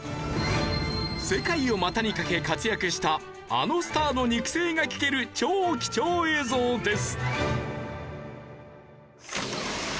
世界を股にかけ活躍したあのスターの肉声が聞ける超貴重映像です！